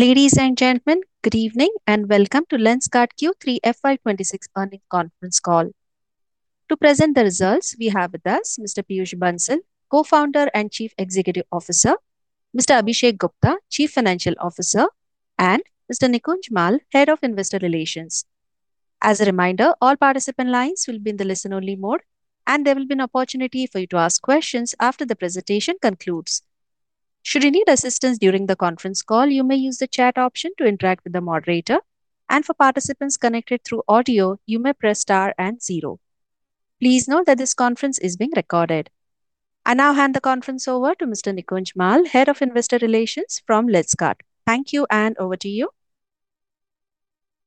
Ladies and gentlemen, good evening and welcome to Lenskart Q3 FY 2026 earnings conference call. To present the results, we have with us Mr. Peyush Bansal, Co-founder and Chief Executive Officer, Mr. Abhishek Gupta, Chief Financial Officer, and Mr. Nikunj Mall, Head of Investor Relations. As a reminder, all participant lines will be in the listen-only mode, and there will be an opportunity for you to ask questions after the presentation concludes. Should you need assistance during the conference call, you may use the chat option to interact with the moderator. For participants connected through audio, you may press star and zero. Please note that this conference is being recorded. I now hand the conference over to Mr. Nikunj Mall, Head of Investor Relations from Lenskart. Thank you, and over to you.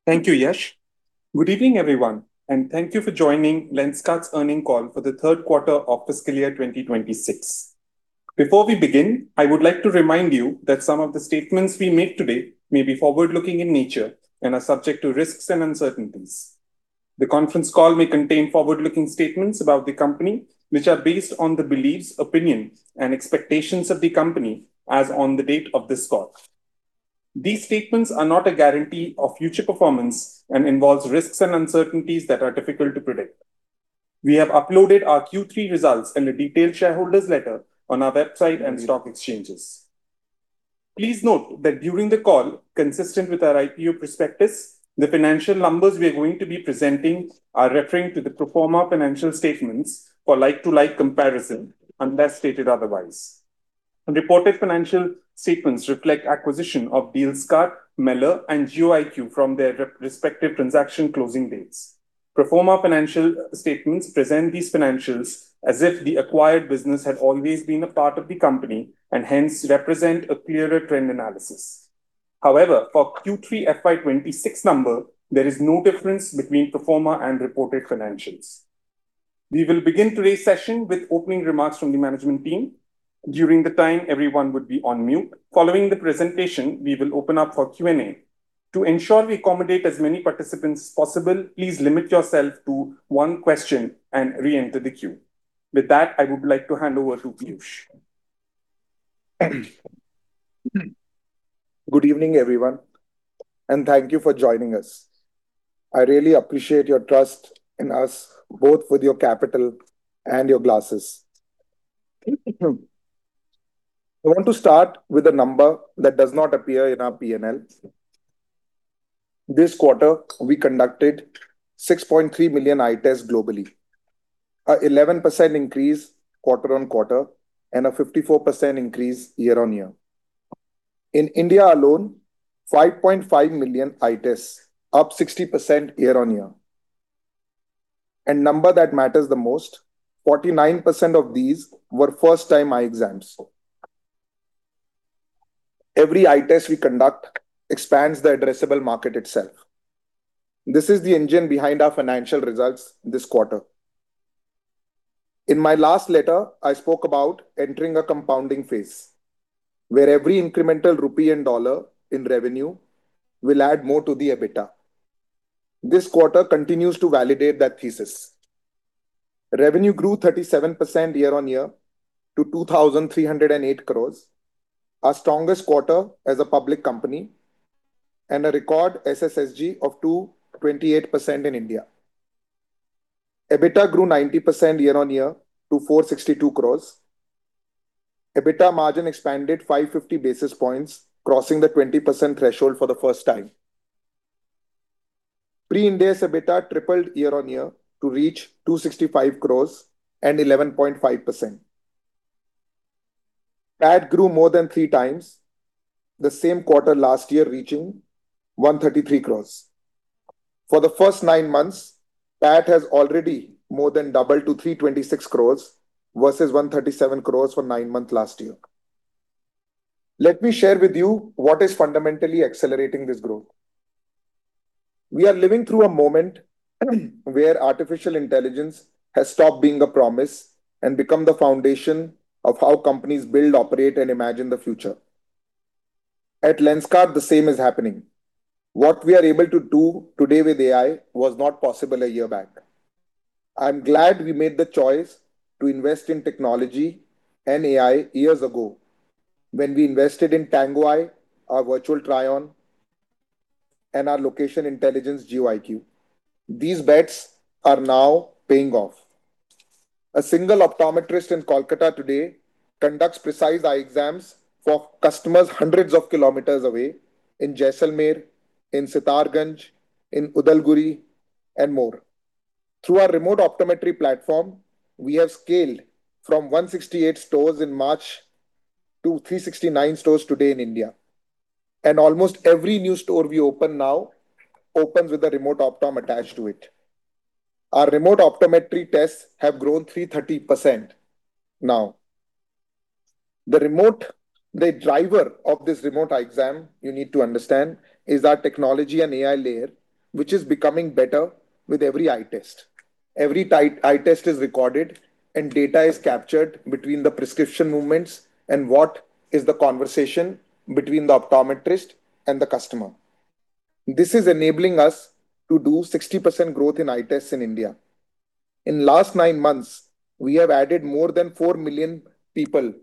Thank you, Yash. Good evening, everyone, and thank you for joining Lenskart's earnings call for the third quarter of fiscal year 2026. Before we begin, I would like to remind you that some of the statements we make today may be forward-looking in nature and are subject to risks and uncertainties. The conference call may contain forward-looking statements about the company, which are based on the beliefs, opinion, and expectations of the company as on the date of this call. These statements are not a guarantee of future performance and involve risks and uncertainties that are difficult to predict. We have uploaded our Q3 results in a detailed shareholders' letter on our website and stock exchanges. Please note that during the call, consistent with our IPO prospectus, the financial numbers we are going to be presenting are referring to the pro forma financial statements for like-for-like comparison, unless stated otherwise. Reported financial statements reflect acquisition of Dealskart, Meller, and GeoIQ from their respective transaction closing dates. pro forma financial statements present these financials as if the acquired business had always been a part of the company and hence represent a clearer trend analysis. However, for Q3 FY 2026 number, there is no difference between pro forma and reported financials. We will begin today's session with opening remarks from the management team. During the time, everyone would be on mute. Following the presentation, we will open up for Q&A. To ensure we accommodate as many participants as possible, please limit yourself to one question and reenter the queue. With that, I would like to hand over to Peyush. Good evening, everyone, and thank you for joining us. I really appreciate your trust in us, both with your capital and your glasses. I want to start with a number that does not appear in our P&L. This quarter, we conducted 6.3 million eye tests globally, an 11% increase quarter-on-quarter, and a 54% increase year-on-year. In India alone, 5.5 million eye tests, up 60% year-on-year. Number that matters the most, 49% of these were first-time eye exams. Every eye test we conduct expands the addressable market itself. This is the engine behind our financial results this quarter. In my last letter, I spoke about entering a compounding phase, where every incremental rupee and dollar in revenue will add more to the EBITDA. This quarter continues to validate that thesis. Revenue grew 37% year-on-year to 2,308 crores, our strongest quarter as a public company, and a record SSSG of 228% in India. EBITDA grew 90% year-on-year to 462 crores. EBITDA margin expanded 550 basis points, crossing the 20% threshold for the first time. Ex-India's EBITDA tripled year-on-year to reach 265 crores and 11.5%. PAT grew more than three times, the same quarter last year reaching 133 crores. For the first nine months, PAT has already more than doubled to 326 crores versus 137 crores for nine months last year. Let me share with you what is fundamentally accelerating this growth. We are living through a moment where artificial intelligence has stopped being a promise and become the foundation of how companies build, operate, and imagine the future. At Lenskart, the same is happening. What we are able to do today with AI was not possible a year back. I'm glad we made the choice to invest in technology and AI years ago. When we invested in Tango Eye, our virtual try-on, and our location intelligence, GeoIQ, these bets are now paying off. A single optometrist in Kolkata today conducts precise eye exams for customers hundreds of kilometers away in Jaisalmer, in Sitarganj, in Udalguri, and more. Through our remote optometry platform, we have scaled from 168 stores in March to 369 stores today in India. Almost every new store we open now opens with a remote optometry attached to it. Our remote optometry tests have grown 330% now. The driver of this remote eye exam, you need to understand, is our technology and AI layer, which is becoming better with every eye test. Every eye test is recorded, and data is captured between the prescription movements and what is the conversation between the optometrist and the customer. This is enabling us to do 60% growth in eye tests in India. In the last nine months, we have added more than four million people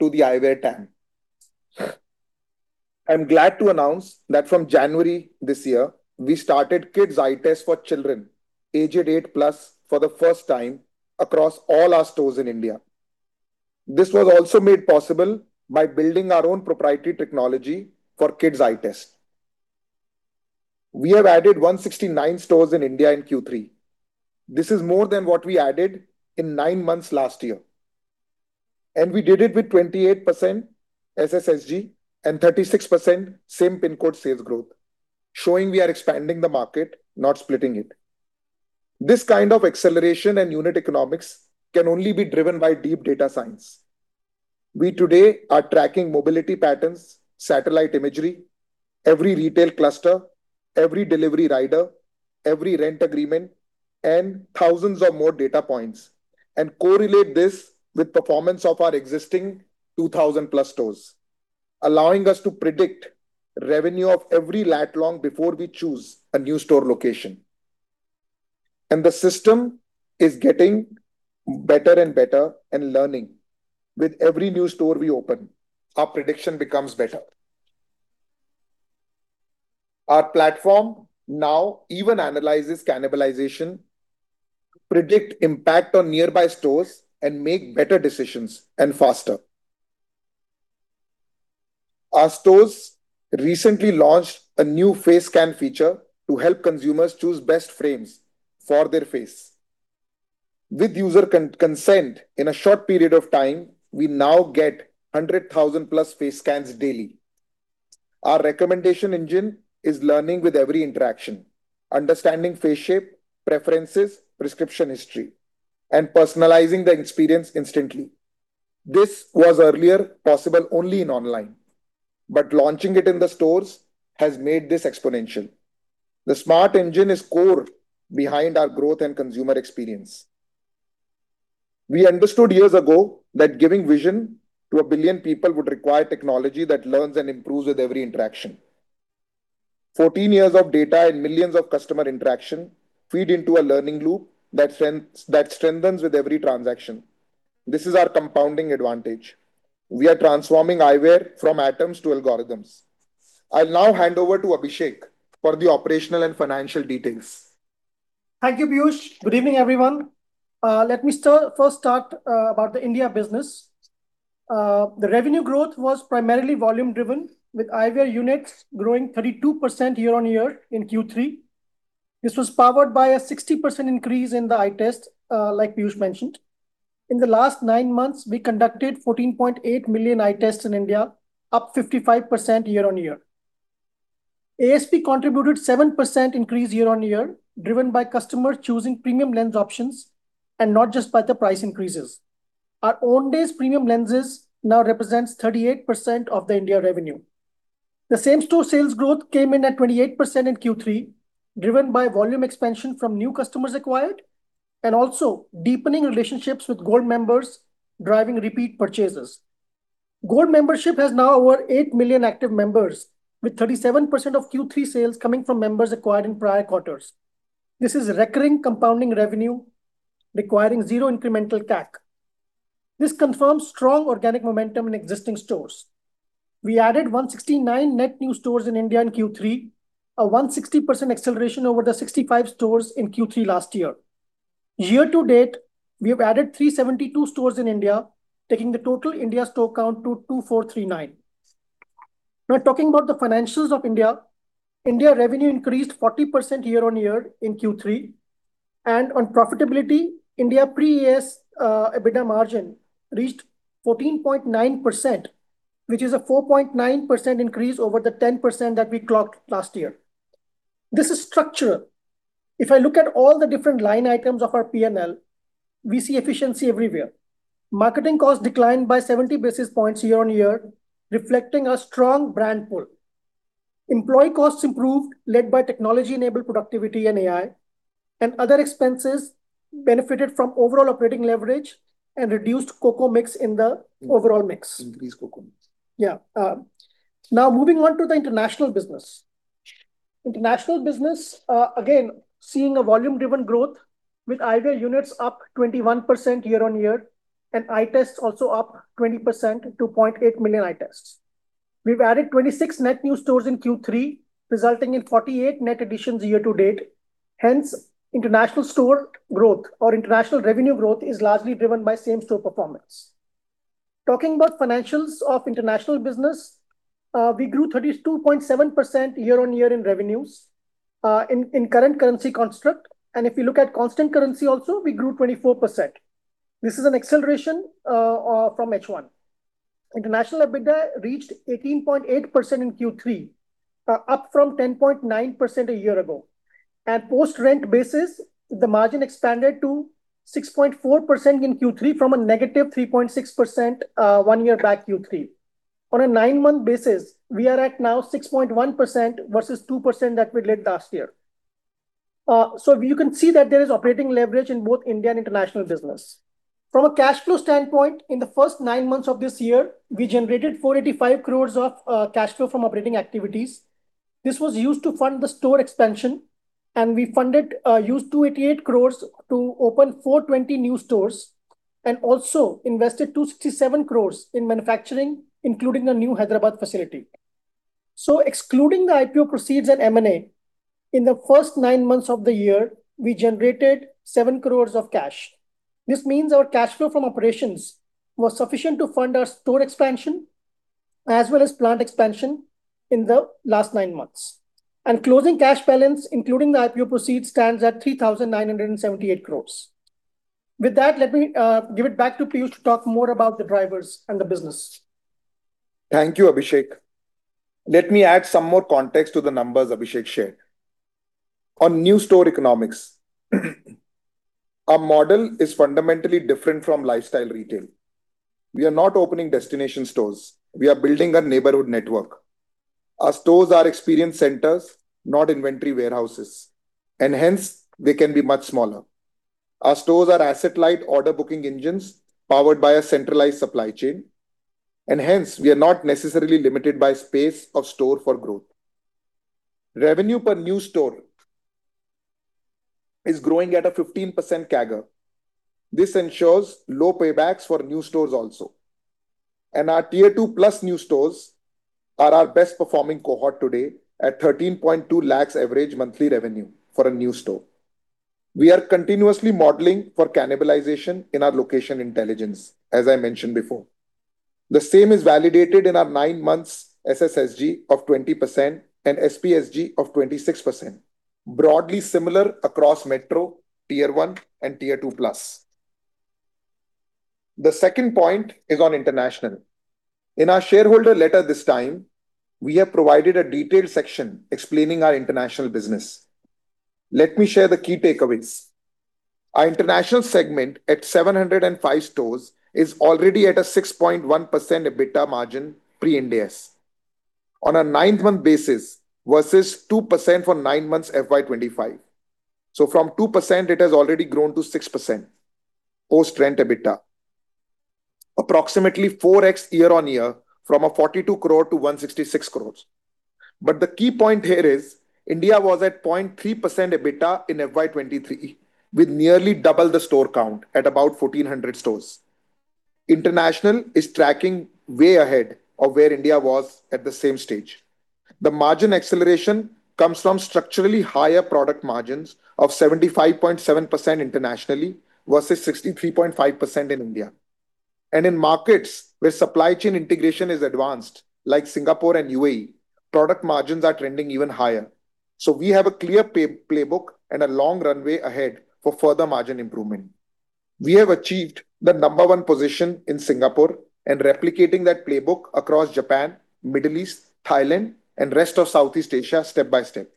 to the eyewear team. I'm glad to announce that from January this year, we started kids' eye tests for children aged 8+ for the first time across all our stores in India. This was also made possible by building our own proprietary technology for kids' eye tests. We have added 169 stores in India in Q3. This is more than what we added in nine months last year. And we did it with 28% SSSG and 36% same PIN code sales growth, showing we are expanding the market, not splitting it. This kind of acceleration and unit economics can only be driven by deep data science. We today are tracking mobility patterns, satellite imagery, every retail cluster, every delivery rider, every rent agreement, and thousands of more data points, and correlate this with performance of our existing 2,000+ stores, allowing us to predict revenue of every lat long before we choose a new store location. The system is getting better and better and learning. With every new store we open, our prediction becomes better. Our platform now even analyzes cannibalization, predicts impact on nearby stores, and makes better decisions and faster. Our stores recently launched a new face scan feature to help consumers choose best frames for their face. With user consent in a short period of time, we now get 100,000+ face scans daily. Our recommendation engine is learning with every interaction, understanding face shape, preferences, prescription history, and personalizing the experience instantly. This was earlier possible only in online, but launching it in the stores has made this exponential. The smart engine is core behind our growth and consumer experience. We understood years ago that giving vision to 1 billion people would require technology that learns and improves with every interaction. 14 years of data and millions of customer interactions feed into a learning loop that strengthens with every transaction. This is our compounding advantage. We are transforming eyewear from atoms to algorithms. I'll now hand over to Abhishek for the operational and financial details. Thank you, Peyush. Good evening, everyone. Let me first start about the India business. The revenue growth was primarily volume-driven, with eyewear units growing 32% year-over-year in Q3. This was powered by a 60% increase in the eye test, like Peyush mentioned. In the last nine months, we conducted 14.8 million eye tests in India, up 55% year-over-year. ASP contributed a 7% increase year-over-year, driven by customers choosing premium lens options and not just by the price increases. Our OWNDAYS premium lenses now represent 38% of the India revenue. The same store sales growth came in at 28% in Q3, driven by volume expansion from new customers acquired and also deepening relationships with Gold members, driving repeat purchases. Gold Membership has now over 8 million active members, with 37% of Q3 sales coming from members acquired in prior quarters. This is recurring compounding revenue, requiring 0 incremental CAC. This confirms strong organic momentum in existing stores. We added 169 net new stores in India in Q3, a 160% acceleration over the 65 stores in Q3 last year. Year to date, we have added 372 stores in India, taking the total India store count to 2,439. Now, talking about the financials of India, India revenue increased 40% year-on-year in Q3. And on profitability, India's pre-Ind AS EBITDA margin reached 14.9%, which is a 4.9% increase over the 10% that we clocked last year. This is structural. If I look at all the different line items of our P&L, we see efficiency everywhere. Marketing costs declined by 70 basis points year-on-year, reflecting a strong brand pull. Employee costs improved, led by technology-enabled productivity and AI. Other expenses benefited from overall operating leverage and reduced COCO mix in the overall mix. Increased COCO mix. Yeah. Now, moving on to the international business. International business, again, seeing a volume-driven growth with eyewear units up 21% year-on-year and eye tests also up 20%, 2.8 million eye tests. We've added 26 net new stores in Q3, resulting in 48 net additions year to date. Hence, international store growth or international revenue growth is largely driven by same-store performance. Talking about financials of international business, we grew 32.7% year-on-year in revenues in current currency construct. And if you look at constant currency also, we grew 24%. This is an acceleration from H1. International EBITDA reached 18.8% in Q3, up from 10.9% a year ago. And post-rent basis, the margin expanded to 6.4% in Q3 from a negative 3.6% one year back Q3. On a nine-month basis, we are at now 6.1% versus 2% that we did last year. You can see that there is operating leverage in both India and international business. From a cash flow standpoint, in the first nine months of this year, we generated 485 crores of cash flow from operating activities. This was used to fund the store expansion. We used 288 crores to open 420 new stores and also invested 267 crores in manufacturing, including a new Hyderabad facility. Excluding the IPO proceeds and M&A, in the first nine months of the year, we generated 7 crores of cash. This means our cash flow from operations was sufficient to fund our store expansion as well as plant expansion in the last nine months. Closing cash balance, including the IPO proceeds, stands at 3,978 crores. With that, let me give it back to Peyush to talk more about the drivers and the business. Thank you, Abhishek. Let me add some more context to the numbers Abhishek shared. On new store economics, our model is fundamentally different from lifestyle retail. We are not opening destination stores. We are building a neighborhood network. Our stores are experience centers, not inventory warehouses. And hence, they can be much smaller. Our stores are asset-light order booking engines powered by a centralized supply chain. And hence, we are not necessarily limited by space of store for growth. Revenue per new store is growing at a 15% CAGR. This ensures low paybacks for new stores also. And our Tier 2+ new stores are our best performing cohort today at 13.2 lakhs average monthly revenue for a new store. We are continuously modeling for cannibalization in our location intelligence, as I mentioned before. The same is validated in our nine-month SSSG of 20% and SPSG of 26%, broadly similar across Metro Tier 1 and Tier 2+. The second point is on international. In our shareholder letter this time, we have provided a detailed section explaining our international business. Let me share the key takeaways. Our international segment at 705 stores is already at a 6.1% EBITDA margin pre-Ind AS on a nine-month basis versus 2% for nine months FY 2025. So from 2%, it has already grown to 6% post-rent EBITDA, approximately 4x year-on-year from 42 crores to 166 crores. But the key point here is India was at 0.3% EBITDA in FY 2023 with nearly double the store count at about 1,400 stores. International is tracking way ahead of where India was at the same stage. The margin acceleration comes from structurally higher product margins of 75.7% internationally versus 63.5% in India. In markets where supply chain integration is advanced, like Singapore and UAE, product margins are trending even higher. We have a clear playbook and a long runway ahead for further margin improvement. We have achieved the number one position in Singapore and replicating that playbook across Japan, the Middle East, Thailand, and the rest of Southeast Asia step by step.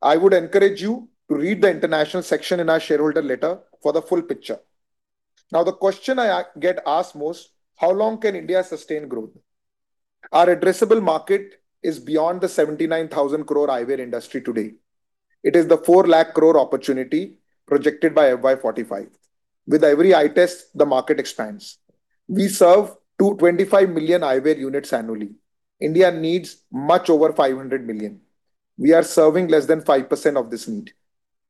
I would encourage you to read the international section in our shareholder letter for the full picture. Now, the question I get asked most: How long can India sustain growth? Our addressable market is beyond the 79,000 crore eyewear industry today. It is the 400,000 crore opportunity projected by FY 2045. With every eye test, the market expands. We serve 225 million eyewear units annually. India needs much over 500 million. We are serving less than 5% of this need.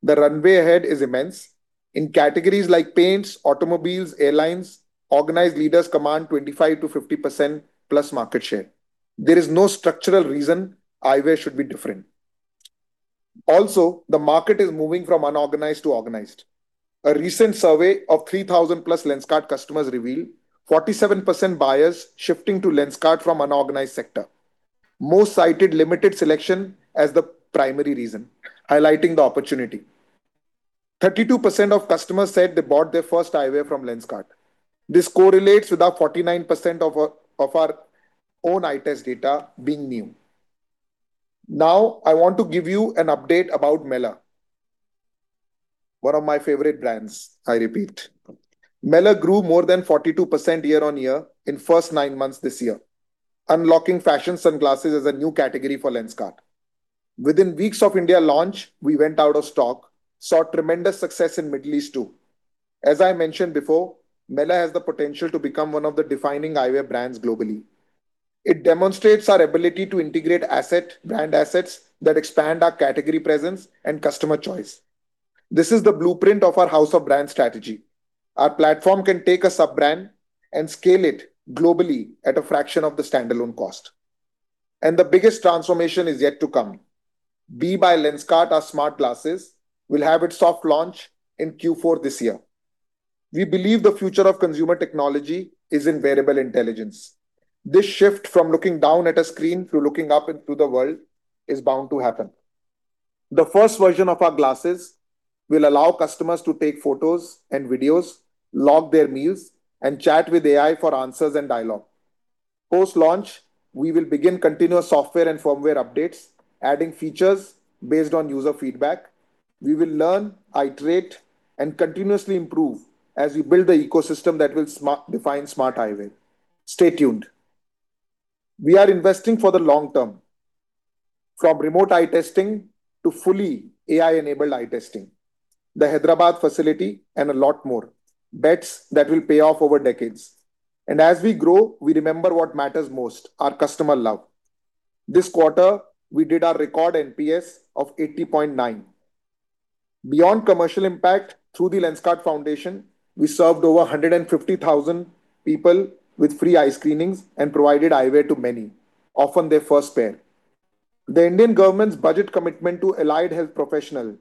The runway ahead is immense. In categories like paints, automobiles, airlines, organized leaders command 25% to 50%+ market share. There is no structural reason eyewear should be different. Also, the market is moving from unorganized to organized. A recent survey of 3,000+ Lenskart customers revealed 47% buyers shifting to Lenskart from the unorganized sector, most cited limited selection as the primary reason, highlighting the opportunity. 32% of customers said they bought their first eyewear from Lenskart. This correlates with 49% of our own eye test data being new. Now, I want to give you an update about Meller, one of my favorite brands. I repeat, Meller grew more than 42% year-on-year in the first nine months this year, unlocking fashion sunglasses as a new category for Lenskart. Within weeks of India's launch, we went out of stock, saw tremendous success in the Middle East too. As I mentioned before, Meller has the potential to become one of the defining eyewear brands globally. It demonstrates our ability to integrate asset brand assets that expand our category presence and customer choice. This is the Blueprint of our house of brand strategy. Our platform can take a sub-brand and scale it globally at a fraction of the standalone cost. The biggest transformation is yet to come. Be by Lenskart, our smart glasses will have its soft launch in Q4 this year. We believe the future of consumer technology is in wearable intelligence. This shift from looking down at a screen to looking up into the world is bound to happen. The first version of our glasses will allow customers to take photos and videos, log their meals, and chat with AI for answers and dialogue. Post-launch, we will begin continuous software and firmware updates, adding features based on user feedback. We will learn, iterate, and continuously improve as we build the ecosystem that will define smart eyewear. Stay tuned. We are investing for the long term, from remote eye testing to fully AI-enabled eye testing, the Hyderabad facility, and a lot more bets that will pay off over decades. And as we grow, we remember what matters most: our customer love. This quarter, we did our record NPS of 80.9. Beyond commercial impact through the Lenskart Foundation, we served over 150,000 people with free eye screenings and provided eyewear to many, often their first pair. The Indian government's budget commitment to allied health professionals,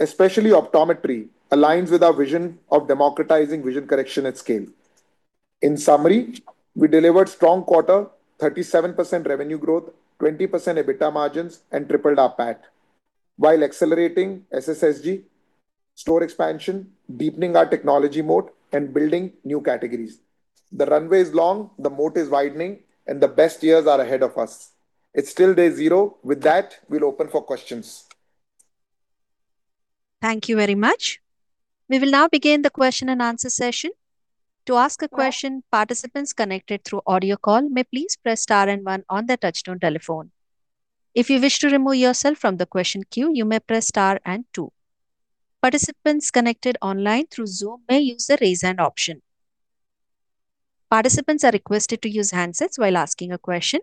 especially optometry, aligns with our vision of democratizing vision correction at scale. In summary, we delivered a strong quarter, 37% revenue growth, 20% EBITDA margins, and tripled our PAT while accelerating SSSG store expansion, deepening our technology moat, and building new categories. The runway is long, the moat is widening, and the best years are ahead of us. It's still day zero. With that, we'll open for questions. Thank you very much. We will now begin the question-and-answer session. To ask a question, participants connected through audio call may please press star and one on their touch-tone telephone. If you wish to remove yourself from the question queue, you may press star and two. Participants connected online through Zoom may use the raise hand option. Participants are requested to use handsets while asking a question.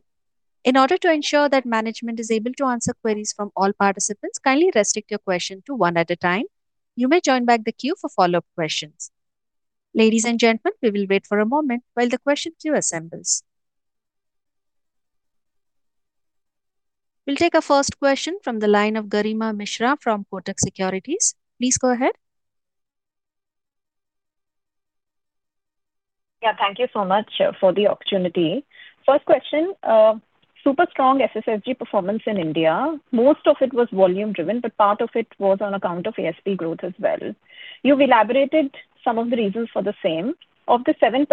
In order to ensure that management is able to answer queries from all participants, kindly restrict your question to one at a time. You may join back the queue for follow-up questions. Ladies and gentlemen, we will wait for a moment while the question queue assembles. We'll take our first question from the line of Garima Mishra from Kotak Securities. Please go ahead. Yeah, thank you so much for the opportunity. First question, super strong SSSG performance in India. Most of it was volume-driven, but part of it was on account of ASP growth as well. You've elaborated some of the reasons for the same. Of the 7%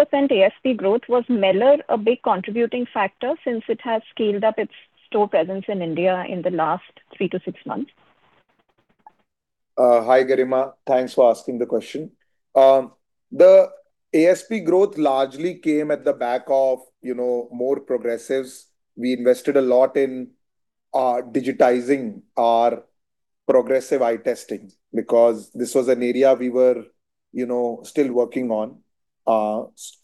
ASP growth, was Meller a big contributing factor since it has scaled up its store presence in India in the last three to six months? Hi, Garima. Thanks for asking the question. The ASP growth largely came at the back of more progressives. We invested a lot in digitizing our progressive eye testing because this was an area we were still working on.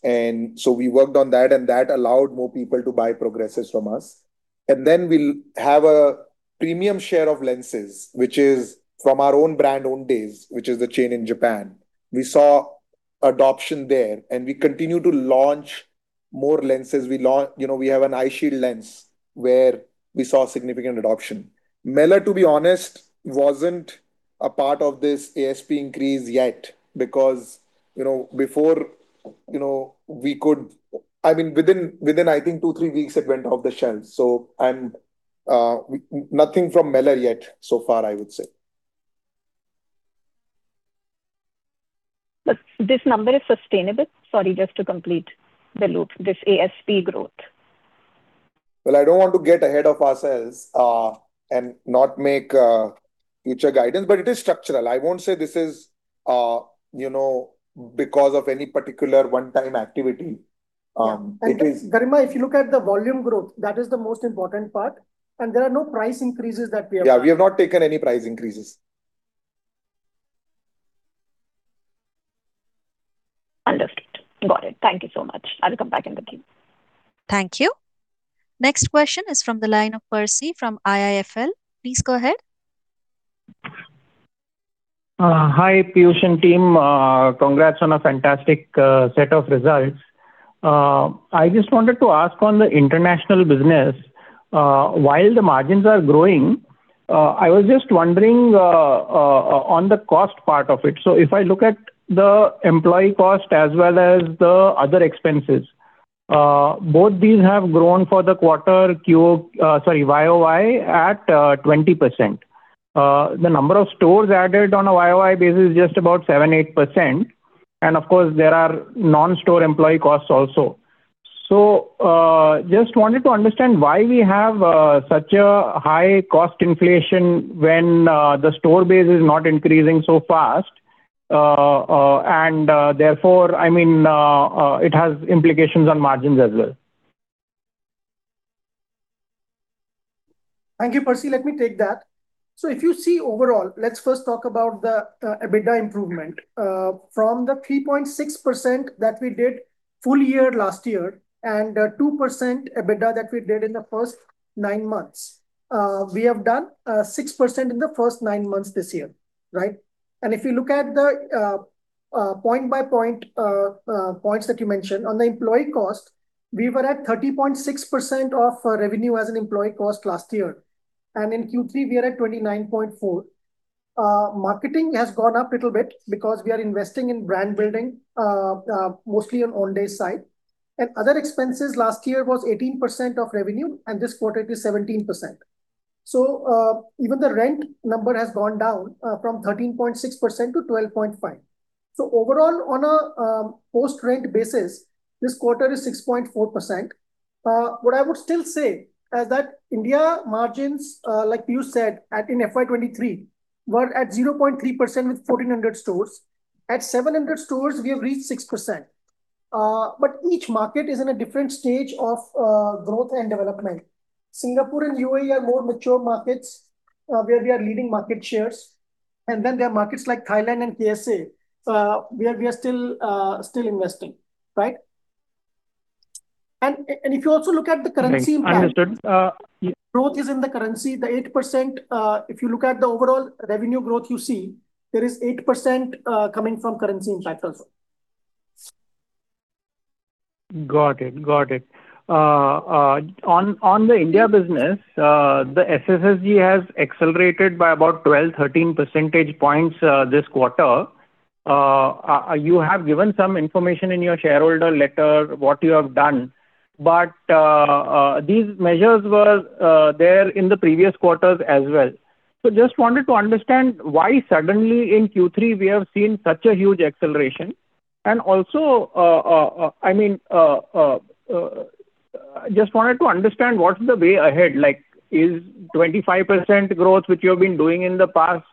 And so we worked on that, and that allowed more people to buy progressives from us. And then we have a premium share of lenses, which is from our own brand OWNDAYS, which is the chain in Japan. We saw adoption there, and we continue to launch more lenses. We have an eyeshield lens where we saw significant adoption. Meller, to be honest, wasn't a part of this ASP increase yet because before, you know, we could, I mean, within, I think, 2-3 weeks, it went off the shelves. So nothing from Meller yet so far, I would say. But this number is sustainable? Sorry, just to complete the loop, this ASP growth. Well, I don't want to get ahead of ourselves and not make future guidance, but it is structural. I won't say this is because of any particular one-time activity. Garima, if you look at the volume growth, that is the most important part. There are no price increases that we have. Yeah, we have not taken any price increases. Understood. Got it. Thank you so much. I'll come back in the queue. Thank you. Next question is from the line of Percy from IIFL. Please go ahead. Hi, Peyush and team. Congrats on a fantastic set of results. I just wanted to ask on the international business. While the margins are growing, I was just wondering on the cost part of it. So if I look at the employee cost as well as the other expenses, both these have grown for the quarter QoQ, sorry, YoY at 20%. The number of stores added on a YoY basis is just about 7%-8%. And of course, there are non-store employee costs also. So just wanted to understand why we have such a high cost inflation when the store base is not increasing so fast. And therefore, I mean, it has implications on margins as well. Thank you, Percy. Let me take that. So if you see overall, let's first talk about the EBITDA improvement. From the 3.6% that we did full year last year and 2% EBITDA that we did in the first nine months, we have done 6% in the first nine months this year, right? And if you look at the point-by-point points that you mentioned on the employee cost, we were at 30.6% of revenue as an employee cost last year. And in Q3, we are at 29.4%. Marketing has gone up a little bit because we are investing in brand building, mostly on the OWNDAYS side. And other expenses last year were 18% of revenue, and this quarter it is 17%. So even the rent number has gone down from 13.6% to 12.5%. So overall, on a post-rent basis, this quarter is 6.4%. What I would still say is that India margins, like you said, in FY 2023 were at 0.3% with 1,400 stores. At 700 stores, we have reached 6%. But each market is in a different stage of growth and development. Singapore and UAE are more mature markets where we are leading market shares. And then there are markets like Thailand and KSA where we are still investing, right? And if you also look at the currency impact. Understood. Growth is in the currency. The 8%, if you look at the overall revenue growth you see, there is 8% coming from currency impact also. Got it. Got it. On the India business, the SSSG has accelerated by about 12-13 percentage points this quarter. You have given some information in your shareholder letter what you have done. But these measures were there in the previous quarters as well. So just wanted to understand why suddenly in Q3 we have seen such a huge acceleration. And also, I mean, just wanted to understand what's the way ahead. Is 25% growth which you have been doing in the past,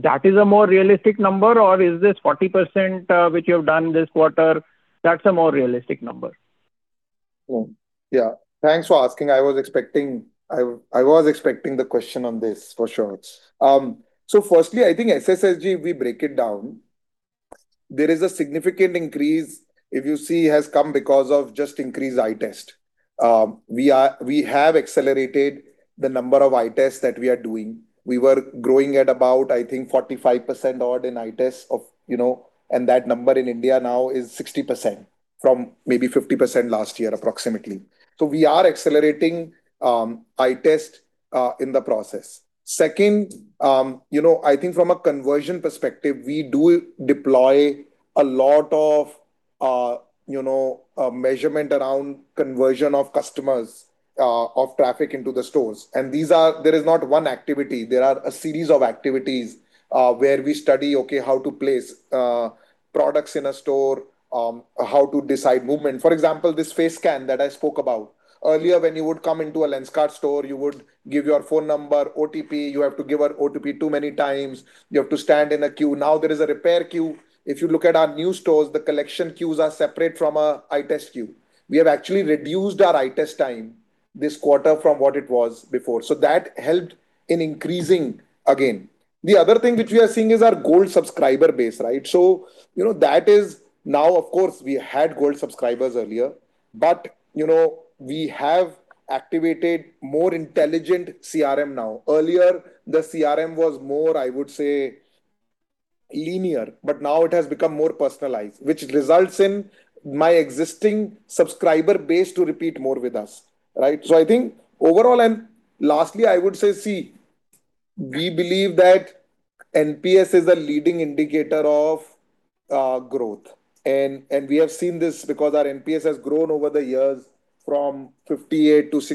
that is a more realistic number, or is this 40% which you have done this quarter, that's a more realistic number? Yeah. Thanks for asking. I was expecting the question on this, for sure. So firstly, I think SSSG, if we break it down, there is a significant increase, if you see, has come because of just increased eye tests. We have accelerated the number of eye tests that we are doing. We were growing at about, I think, 45%+ in eye tests of, and that number in India now is 60% from maybe 50% last year, approximately. So we are accelerating eye tests in the process. Second, I think from a conversion perspective, we do deploy a lot of measurement around conversion of customers, of traffic into the stores. And there is not one activity. There are a series of activities where we study, okay, how to place products in a store, how to decide movement. For example, this face scan that I spoke about earlier, when you would come into a Lenskart store, you would give your phone number, OTP. You have to give an OTP too many times. You have to stand in a queue. Now there is a repair queue. If you look at our new stores, the collection queues are separate from an eye test queue. We have actually reduced our eye test time this quarter from what it was before. So that helped in increasing, again. The other thing which we are seeing is our Gold subscriber base, right? So that is now, of course, we had Gold subscribers earlier. But we have activated more intelligent CRM now. Earlier, the CRM was more, I would say, linear. But now it has become more personalized, which results in my existing subscriber base to repeat more with us, right? So I think overall, and lastly, I would say, see, we believe that NPS is a leading indicator of growth. We have seen this because our NPS has grown over the years from 58-60 to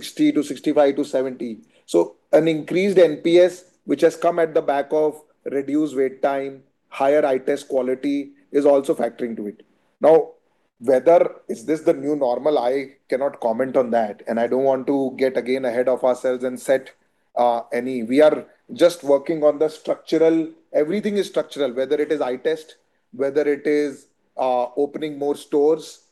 65-70. So an increased NPS, which has come at the back of reduced wait time, higher eye test quality, is also factoring into it. Now, whether this is the new normal, I cannot comment on that. I don't want to get again ahead of ourselves and set any. We are just working on the structural. Everything is structural, whether it is eye test, whether it is opening more stores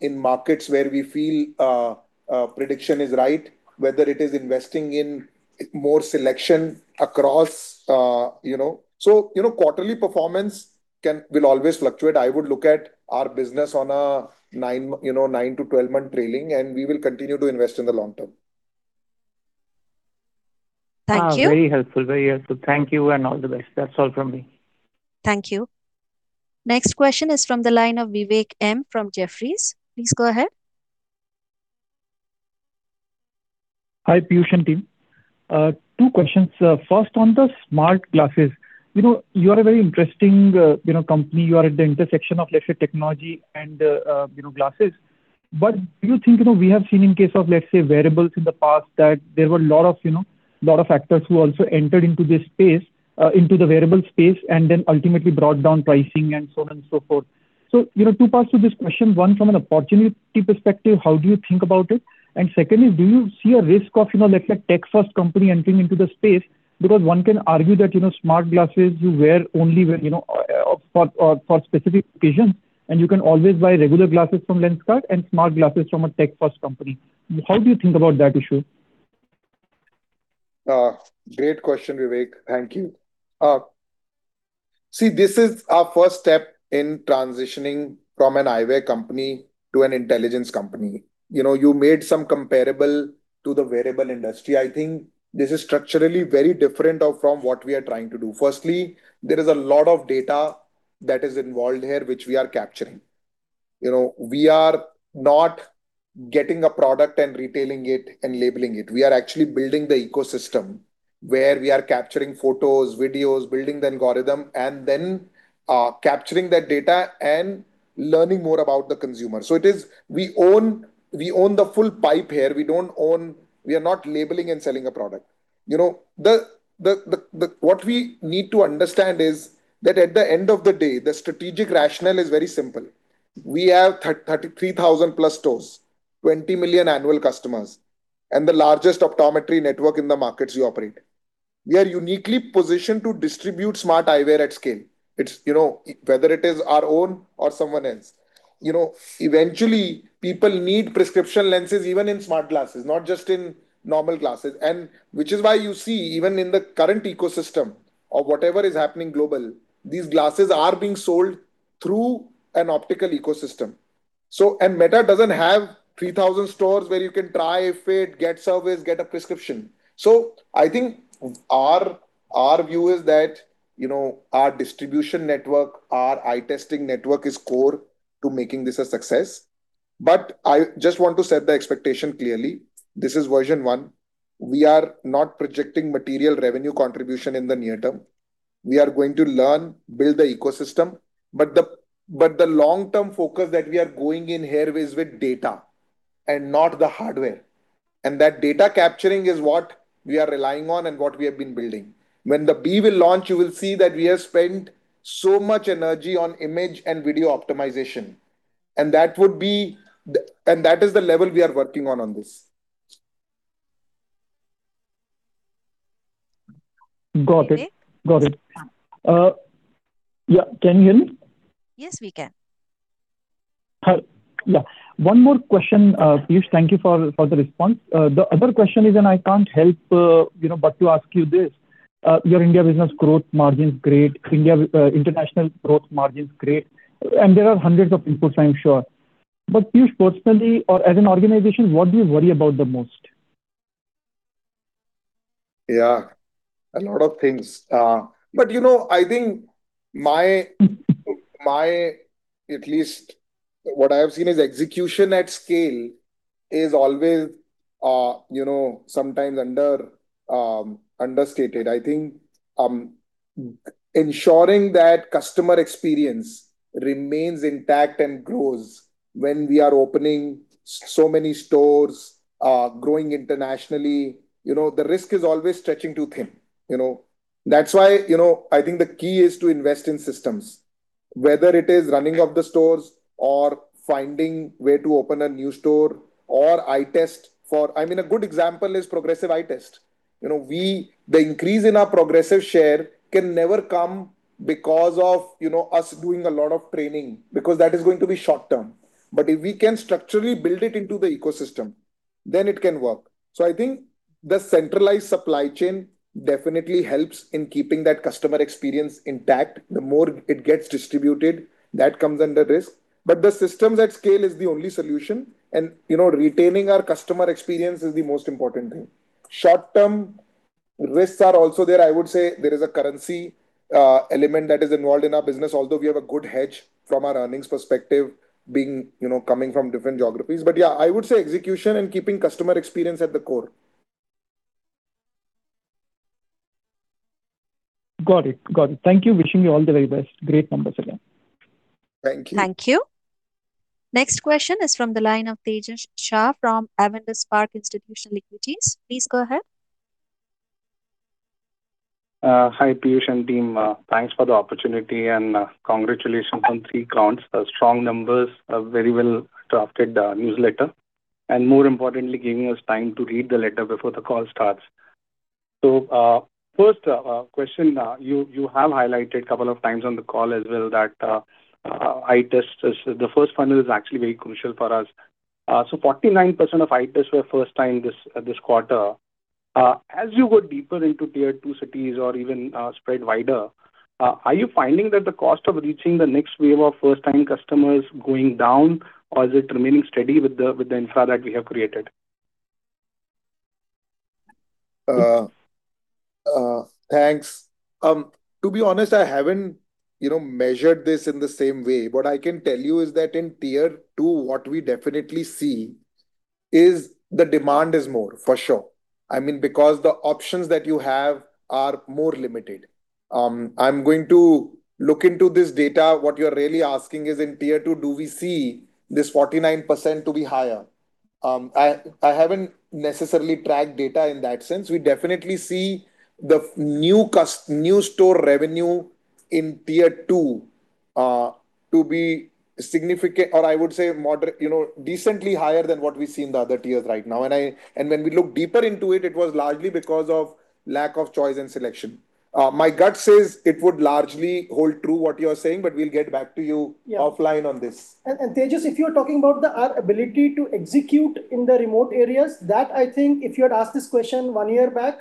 in markets where we feel penetration is right, whether it is investing in more selection across. So quarterly performance will always fluctuate. I would look at our business on a 9-12-month trailing, and we will continue to invest in the long term. Thank you. Very helpful. Very helpful. Thank you and all the best. That's all from me. Thank you. Next question is from the line of Vivek M from Jefferies. Please go ahead. Hi, Peyush and team. Two questions. First, on the smart glasses, you are a very interesting company. You are at the intersection of, let's say, technology and glasses. But do you think we have seen, in case of, let's say, wearables in the past, that there were a lot of factors who also entered into this space, into the wearable space, and then ultimately brought down pricing and so on and so forth? So two parts to this question. One, from an opportunity perspective, how do you think about it? And secondly, do you see a risk of, let's say, a tech-first company entering into the space? Because one can argue that smart glasses you wear only for specific occasions, and you can always buy regular glasses from Lenskart and smart glasses from a tech-first company. How do you think about that issue? Great question, Vivek. Thank you. See, this is our first step in transitioning from an eyewear company to an intelligence company. You made some comparable to the wearable industry. I think this is structurally very different from what we are trying to do. Firstly, there is a lot of data that is involved here, which we are capturing. We are not getting a product and retailing it and labeling it. We are actually building the ecosystem where we are capturing photos, videos, building the algorithm, and then capturing that data and learning more about the consumer. So we own the full pipe here. We don't own we are not labeling and selling a product. What we need to understand is that at the end of the day, the strategic rationale is very simple. We have 33,000+ stores, 20 million annual customers, and the largest optometry network in the markets we operate. We are uniquely positioned to distribute smart eyewear at scale, whether it is our own or someone else. Eventually, people need prescription lenses, even in smart glasses, not just in normal glasses. And which is why you see, even in the current ecosystem of whatever is happening globally, these glasses are being sold through an optical ecosystem. And Meta doesn't have 3,000 stores where you can try if it gets service, get a prescription. So I think our view is that our distribution network, our eye testing network is core to making this a success. But I just want to set the expectation clearly. This is version one. We are not projecting material revenue contribution in the near term. We are going to learn, build the ecosystem. The long-term focus that we are going in here is with data and not the hardware. That data capturing is what we are relying on and what we have been building. When the B will launch, you will see that we have spent so much energy on image and video optimization. That would be and that is the level we are working on on this. Got it. Got it. Yeah. Can you hear me? Yes, we can. Yeah. One more question, Peyush. Thank you for the response. The other question is, and I can't help but to ask you this. Your India business growth margin is great. International growth margin is great. And there are hundreds of inputs, I'm sure. But Peyush, personally or as an organization, what do you worry about the most? Yeah. A lot of things. But I think at least what I have seen is execution at scale is always sometimes understated. I think ensuring that customer experience remains intact and grows when we are opening so many stores, growing internationally, the risk is always stretching too thin. That's why I think the key is to invest in systems, whether it is running of the stores or finding a way to open a new store or eye test. I mean, a good example is progressive eye test. The increase in our progressive share can never come because of us doing a lot of training, because that is going to be short term. But if we can structurally build it into the ecosystem, then it can work. So I think the centralized supply chain definitely helps in keeping that customer experience intact. The more it gets distributed, that comes under risk. The systems at scale is the only solution. Retaining our customer experience is the most important thing. Short-term risks are also there. I would say there is a currency element that is involved in our business, although we have a good hedge from our earnings perspective, coming from different geographies. Yeah, I would say execution and keeping customer experience at the core. Got it. Got it. Thank you. Wishing you all the very best. Great numbers again. Thank you. Thank you. Next question is from the line of Tejas Shah from Avendus Spark Institutional Equities. Please go ahead. Hi, Peyush and team. Thanks for the opportunity and congratulations on three counts. Strong numbers, a very well-drafted newsletter, and more importantly, giving us time to read the letter before the call starts. First question, you have highlighted a couple of times on the call as well that the first funnel is actually very crucial for us. 49% of eye tests were first-time this quarter. As you go deeper into Tier 2 cities or even spread wider, are you finding that the cost of reaching the next wave of first-time customers is going down, or is it remaining steady with the infra that we have created? Thanks. To be honest, I haven't measured this in the same way. What I can tell you is that in Tier 2, what we definitely see is the demand is more, for sure. I mean, because the options that you have are more limited. I'm going to look into this data. What you're really asking is, in Tier 2, do we see this 49% to be higher? I haven't necessarily tracked data in that sense. We definitely see the new store revenue in Tier 2 to be significant, or I would say decently higher than what we see in the other tiers right now. And when we look deeper into it, it was largely because of lack of choice and selection. My gut says it would largely hold true what you are saying, but we'll get back to you offline on this. And Tejas, if you're talking about our ability to execute in the remote areas, that I think if you had asked this question one year back,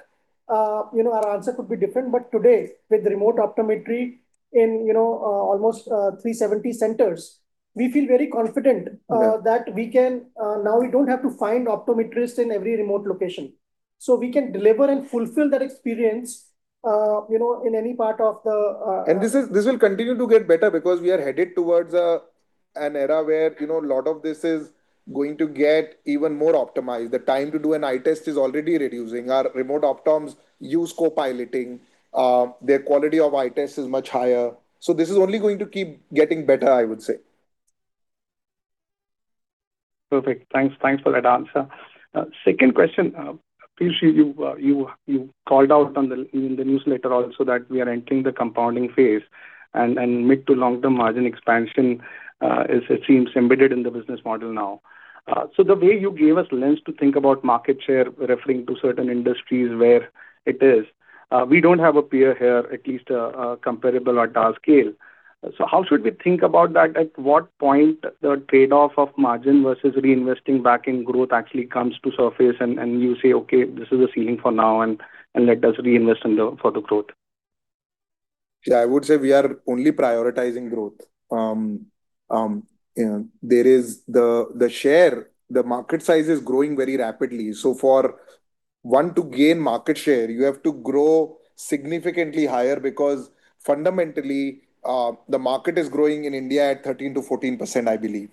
our answer could be different. But today, with remote optometry in almost 370 centers, we feel very confident that now we don't have to find optometrists in every remote location. So we can deliver and fulfill that experience in any part of the. This will continue to get better because we are headed towards an era where a lot of this is going to get even more optimized. The time to do an eye test is already reducing. Our remote optoms use co-piloting. Their quality of eye tests is much higher. This is only going to keep getting better, I would say. Perfect. Thanks for that answer. Second question, Peyush, you called out in the newsletter also that we are entering the compounding phase. And mid to long-term margin expansion, it seems, is embedded in the business model now. So the way you gave us lens to think about market share, referring to certain industries where it is, we don't have a peer here, at least comparable at our scale. So how should we think about that? At what point does the trade-off of margin versus reinvesting back in growth actually come to surface? And you say, "Okay, this is the ceiling for now, and let us reinvest for the growth"? Yeah, I would say we are only prioritizing growth. The share, the market size is growing very rapidly. So for one to gain market share, you have to grow significantly higher because fundamentally, the market is growing in India at 13%-14%, I believe,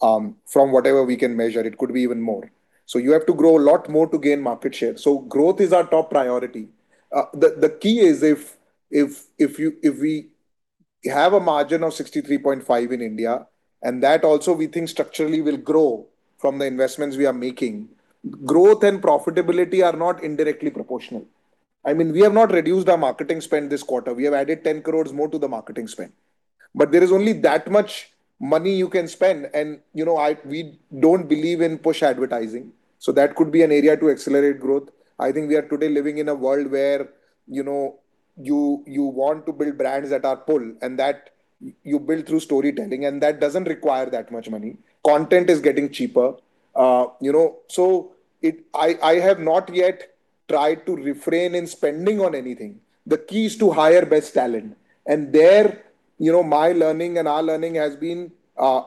from whatever we can measure. It could be even more. So you have to grow a lot more to gain market share. So growth is our top priority. The key is if we have a margin of 63.5 in India, and that also we think structurally will grow from the investments we are making. Growth and profitability are not indirectly proportional. I mean, we have not reduced our marketing spend this quarter. We have added 10 crore more to the marketing spend. But there is only that much money you can spend. And we don't believe in push advertising. So that could be an area to accelerate growth. I think we are today living in a world where you want to build brands that are pull, and that you build through storytelling. And that doesn't require that much money. Content is getting cheaper. So I have not yet tried to refrain in spending on anything. The key is to hire best talent. And there, my learning and our learning has been,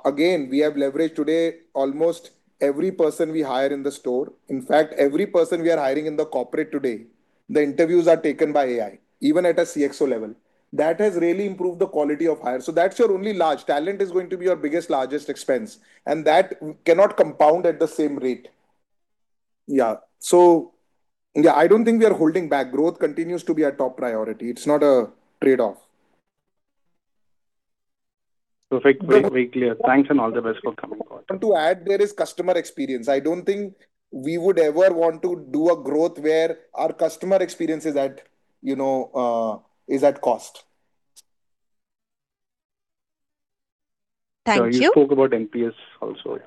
again, we have leveraged today almost every person we hire in the store. In fact, every person we are hiring in the corporate today, the interviews are taken by AI, even at a CXO level. That has really improved the quality of hire. So that's your only large. Talent is going to be your biggest, largest expense. And that cannot compound at the same rate. Yeah. So yeah, I don't think we are holding back. Growth continues to be our top priority. It's not a trade-off. Perfect. Very clear. Thanks and all the best for coming on. To add, there is customer experience. I don't think we would ever want to do a growth where our customer experience is at cost. Thank you. You spoke about NPS also.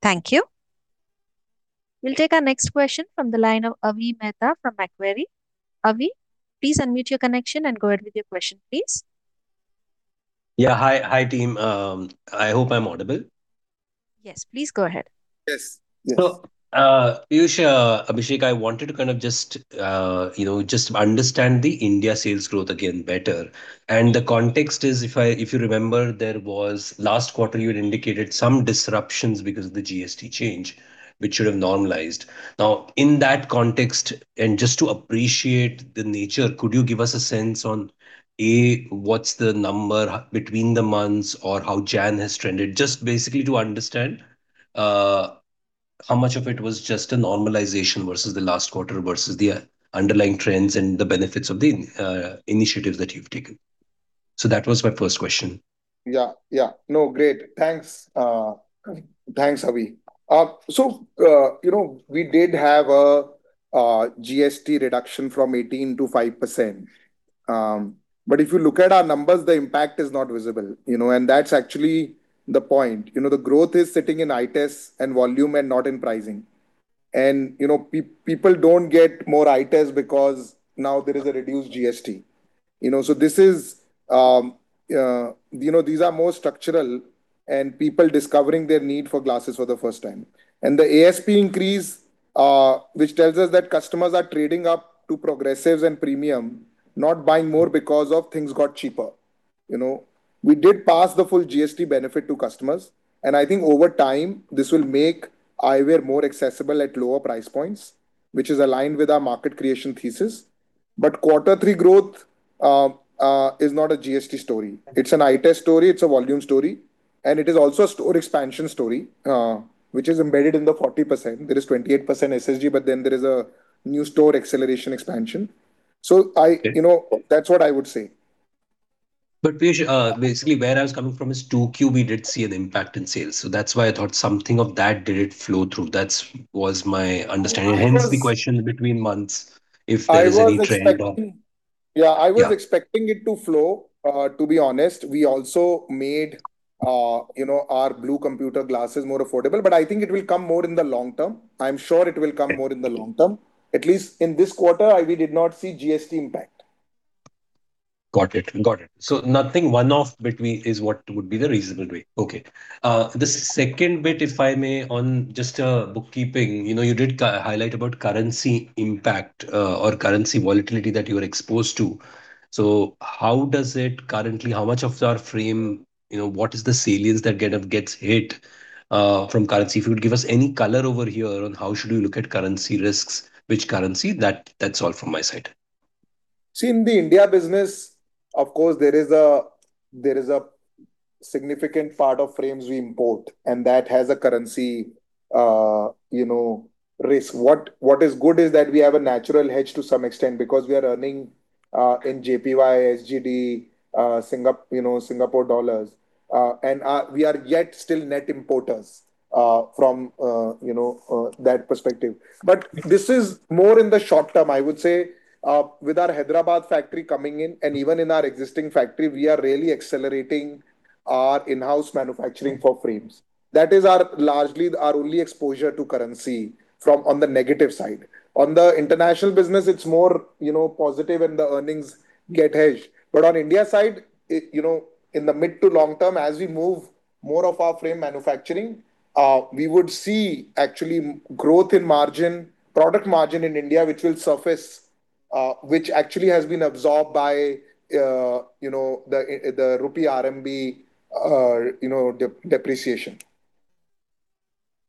Thank you. We'll take our next question from the line of Avi Mehta from Macquarie. Avi, please unmute your connection and go ahead with your question, please. Yeah. Hi, team. I hope I'm audible. Yes. Please go ahead. Yes. So Peyush, Abhishek, I wanted to kind of just understand the India sales growth again better. And the context is, if you remember, last quarter, you had indicated some disruptions because of the GST change, which should have normalized. Now, in that context, and just to appreciate the nature, could you give us a sense on, A, what's the number between the months or how Jan has trended? Just basically to understand how much of it was just a normalization versus the last quarter versus the underlying trends and the benefits of the initiatives that you've taken. So that was my first question. Yeah. Yeah. No, great. Thanks. Thanks, Avi. So we did have a GST reduction from 18%-5%. But if you look at our numbers, the impact is not visible. And that's actually the point. The growth is sitting in eye tests and volume and not in pricing. And people don't get more eye tests because now there is a reduced GST. So these are more structural and people discovering their need for glasses for the first time. And the ASP increase, which tells us that customers are trading up to progressives and premium, not buying more because things got cheaper. We did pass the full GST benefit to customers. And I think over time, this will make eyewear more accessible at lower price points, which is aligned with our market creation thesis. But quarter three growth is not a GST story. It's an eye test story. It's a volume story. It is also a store expansion story, which is embedded in the 40%. There is 28% SSG, but then there is a new store acceleration expansion. That's what I would say. But Peyush, basically, where I was coming from is 2Q, we did see an impact in sales. So that's why I thought something of that did flow through. That was my understanding. Hence the question between months, if there is any trend. Yeah, I was expecting it to flow, to be honest. We also made our Blu computer glasses more affordable. But I think it will come more in the long term. I'm sure it will come more in the long term. At least in this quarter, we did not see GST impact. Got it. Got it. So nothing one-off between is what would be the reasonable way. Okay. The second bit, if I may, on just bookkeeping, you did highlight about currency impact or currency volatility that you were exposed to. So how does it currently—how much of our frame—what is the salience that gets hit from currency? If you could give us any color over here on how should we look at currency risks, which currency? That's all from my side. See, in the India business, of course, there is a significant part of frames we import, and that has a currency risk. What is good is that we have a natural hedge to some extent because we are earning in JPY, SGD, Singapore dollars. And we are yet still net importers from that perspective. But this is more in the short term, I would say, with our Hyderabad factory coming in, and even in our existing factory, we are really accelerating our in-house manufacturing for frames. That is largely our only exposure to currency on the negative side. On the international business, it's more positive when the earnings get hedged. But on India side, in the mid to long term, as we move more of our frame manufacturing, we would see actually growth in margin, product margin in India, which will surface, which actually has been absorbed by the rupee RMB depreciation.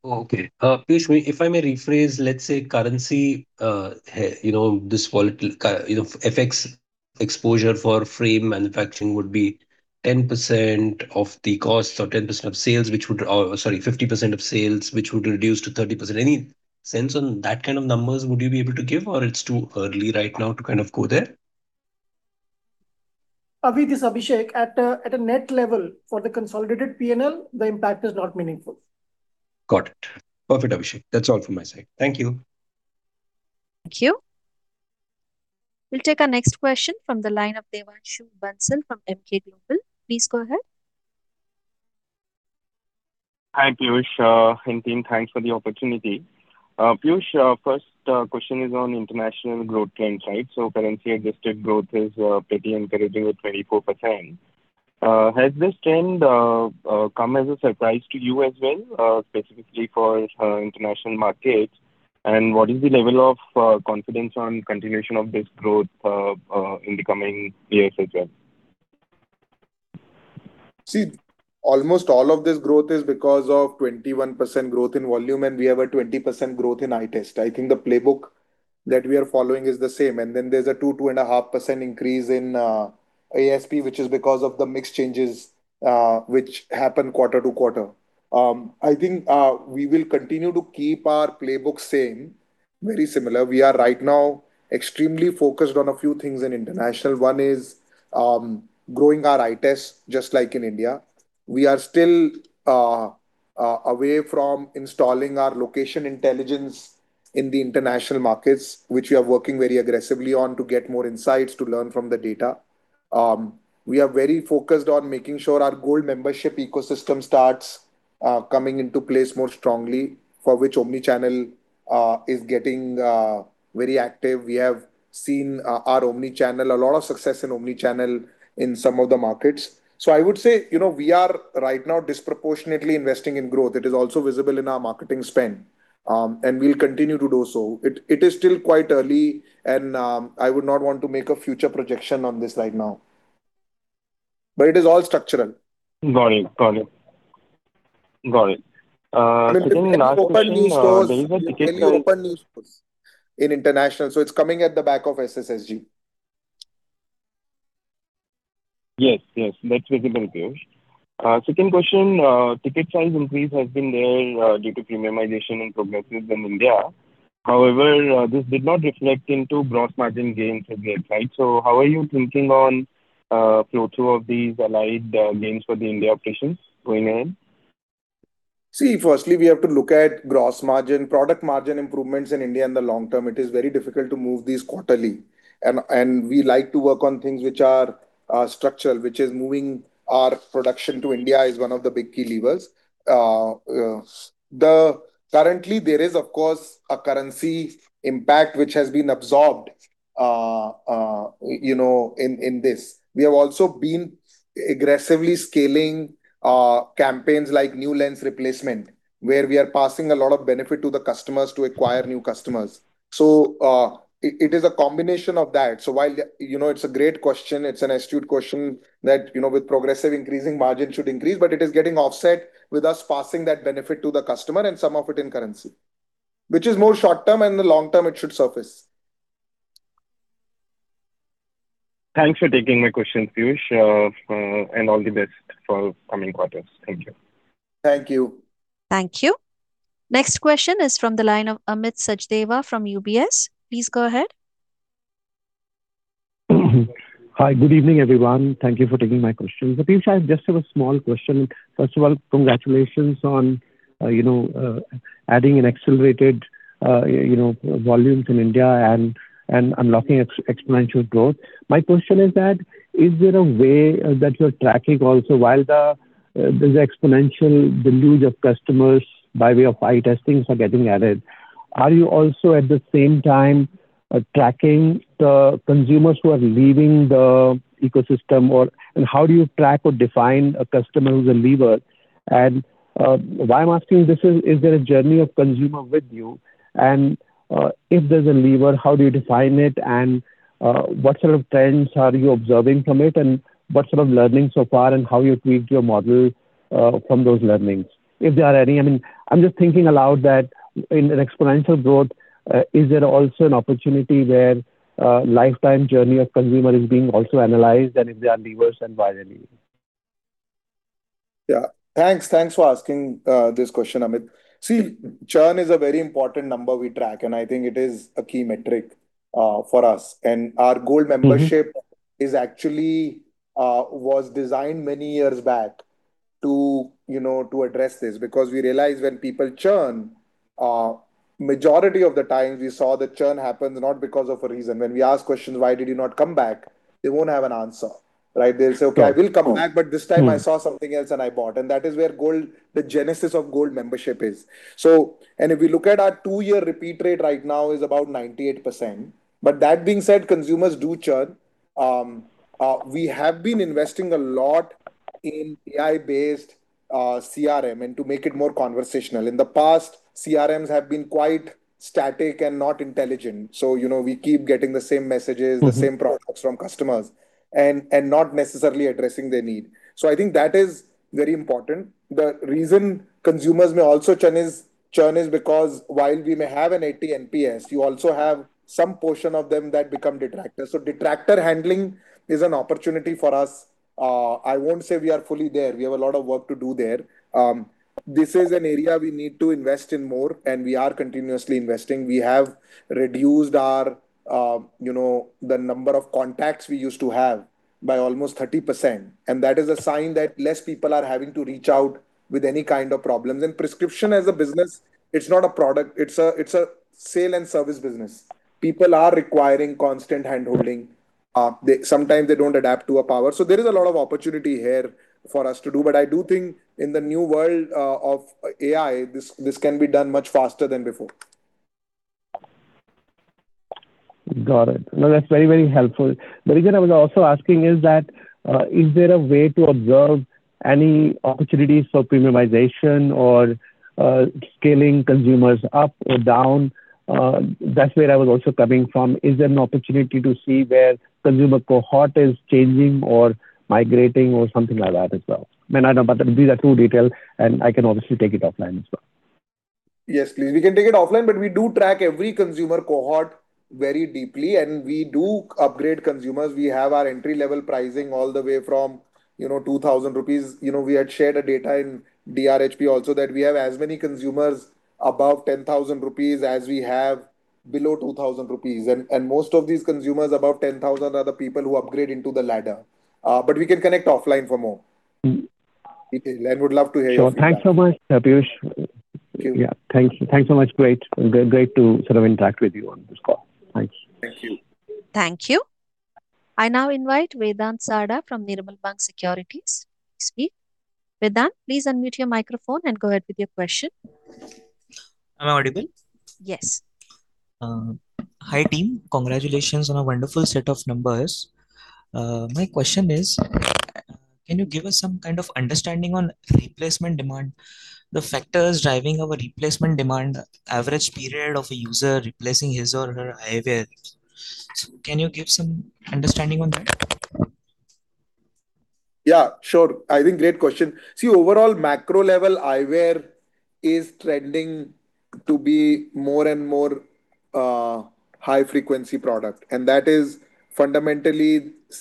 Okay. Peyush, if I may rephrase, let's say currency, this FX exposure for frame manufacturing would be 10% of the costs or 10% of sales, which would, sorry, 50% of sales, which would reduce to 30%. Any sense on that kind of numbers would you be able to give, or it's too early right now to kind of go there? Avi, this is Abhishek. At a net level, for the consolidated P&L, the impact is not meaningful. Got it. Perfect, Abhishek. That's all from my side. Thank you. Thank you. We'll take our next question from the line of Devanshu Bansal from Emkay Global. Please go ahead. Hi, Peyush and team, thanks for the opportunity. Peyush, first question is on international growth trends, right? So currency-adjusted growth is pretty encouraging with 24%. Has this trend come as a surprise to you as well, specifically for international markets? And what is the level of confidence on continuation of this growth in the coming years as well? See, almost all of this growth is because of 21% growth in volume, and we have a 20% growth in eye test. I think the playbook that we are following is the same. And then there's a 2%-2.5% increase in ASP, which is because of the mixed changes which happen quarter to quarter. I think we will continue to keep our playbook same, very similar. We are right now extremely focused on a few things in international. One is growing our eye tests just like in India. We are still away from installing our location intelligence in the international markets, which we are working very aggressively on to get more insights, to learn from the data. We are very focused on making sure our Gold Membership ecosystem starts coming into place more strongly, for which omnichannel is getting very active. We have seen our omnichannel, a lot of success in omnichannel in some of the markets. So I would say we are right now disproportionately investing in growth. It is also visible in our marketing spend. We'll continue to do so. It is still quite early, and I would not want to make a future projection on this right now. It is all structural. Got it. Got it. Got it. I think in international. Open new stores. In international. So it's coming at the back of SSSG. Yes. Yes. That's visible, Peyush. Second question, ticket size increase has been there due to premiumization and progressive in India. However, this did not reflect into gross margin gains as yet, right? So how are you thinking on flow-through of these allied gains for the India operations going ahead? See, firstly, we have to look at gross margin, product margin improvements in India in the long term. It is very difficult to move these quarterly. And we like to work on things which are structural, which is moving our production to India is one of the big key levers. Currently, there is, of course, a currency impact which has been absorbed in this. We have also been aggressively scaling campaigns like new lens replacement, where we are passing a lot of benefit to the customers to acquire new customers. So it is a combination of that. So while it's a great question, it's an astute question that with progressive increasing margin should increase, but it is getting offset with us passing that benefit to the customer and some of it in currency, which is more short term, and in the long term, it should surface. Thanks for taking my questions, Peyush. All the best for coming quarters. Thank you. Thank you. Thank you. Next question is from the line of Amit Sachdeva from UBS. Please go ahead. Hi. Good evening, everyone. Thank you for taking my question. Peyush, I just have a small question. First of all, congratulations on adding an accelerated volume in India and unlocking exponential growth. My question is that is there a way that you're tracking also while there's exponential deluge of customers by way of eye testing are getting added? Are you also at the same time tracking the consumers who are leaving the ecosystem, or how do you track or define a customer who's a leaver? And why I'm asking this is, is there a journey of consumer with you? And if there's a leaver, how do you define it? And what sort of trends are you observing from it? And what sort of learning so far and how you tweak your model from those learnings? If there are any, I mean, I'm just thinking aloud that in exponential growth, is there also an opportunity where lifetime journey of consumer is being also analyzed? And if there are levers, and why are they needed? Yeah. Thanks. Thanks for asking this question, Amit. See, churn is a very important number we track, and I think it is a key metric for us. Our Gold Membership was designed many years back to address this because we realized when people churn, majority of the times, we saw the churn happens not because of a reason. When we ask questions, "Why did you not come back?" they won't have an answer, right? They'll say, "Okay, I will come back, but this time I saw something else and I bought." That is where Gold, the genesis of Gold Membership is. If we look at our two-year repeat rate right now, it is about 98%. But that being said, consumers do churn. We have been investing a lot in AI-based CRM and to make it more conversational. In the past, CRMs have been quite static and not intelligent. So we keep getting the same messages, the same products from customers, and not necessarily addressing their need. So I think that is very important. The reason consumers may also churn is because while we may have an 80 NPS, you also have some portion of them that become detractors. So detractor handling is an opportunity for us. I won't say we are fully there. We have a lot of work to do there. This is an area we need to invest in more, and we are continuously investing. We have reduced the number of contacts we used to have by almost 30%. And that is a sign that less people are having to reach out with any kind of problems. And prescription as a business, it's not a product. It's a sale and service business. People are requiring constant handholding. Sometimes they don't adapt to a power. So there is a lot of opportunity here for us to do. But I do think in the new world of AI, this can be done much faster than before. Got it. No, that's very, very helpful. But again, I was also asking is that is there a way to observe any opportunities for premiumization or scaling consumers up or down? That's where I was also coming from. Is there an opportunity to see where consumer cohort is changing or migrating or something like that as well? I mean, I don't know, but these are too detailed, and I can obviously take it offline as well. Yes, please. We can take it offline, but we do track every consumer cohort very deeply, and we do upgrade consumers. We have our entry-level pricing all the way from 2,000 rupees. We had shared a data in DRHP also that we have as many consumers above 10,000 rupees as we have below 2,000 rupees. And most of these consumers above 10,000 are the people who upgrade into the ladder. But we can connect offline for more. And would love to hear your thoughts. Sure. Thanks so much, Peyush. Yeah. Thanks so much. Great. Great to sort of interact with you on this call. Thanks. Thank you. Thank you. I now invite Vedant Sarda from Nirmal Bang to speak. Vedant, please unmute your microphone and go ahead with your question. Am I audible? Yes. Hi, team. Congratulations on a wonderful set of numbers. My question is, can you give us some kind of understanding on replacement demand, the factors driving our replacement demand, average period of a user replacing his or her eyewear? So can you give some understanding on that? Yeah. Sure. I think great question. See, overall, macro-level eyewear is trending to be more and more high-frequency product. And that is fundamentally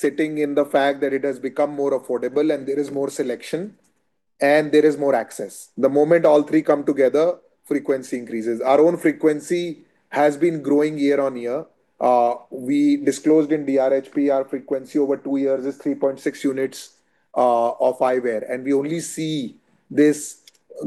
sitting in the fact that it has become more affordable, and there is more selection, and there is more access. The moment all three come together, frequency increases. Our own frequency has been growing year-on-year. We disclosed in DRHP our frequency over two years is 3.6 units of eyewear. And we only see this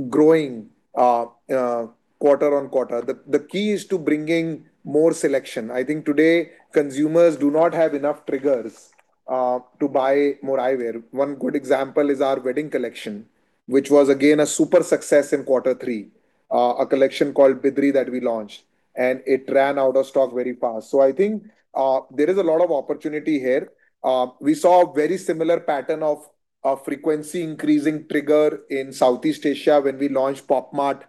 growing quarter-on-quarter. The key is to bringing more selection. I think today, consumers do not have enough triggers to buy more eyewear. One good example is our wedding collection, which was, again, a super success in quarter three, a collection called Bidri that we launched. And it ran out of stock very fast. So I think there is a lot of opportunity here. We saw a very similar pattern of frequency-increasing trigger in Southeast Asia when we launched POP MART